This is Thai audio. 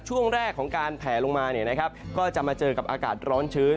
ช่วงแรกของการแผลลงมาก็จะมาเจอกับอากาศร้อนชื้น